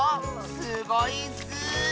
すごいッス！